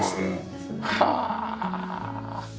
はあ。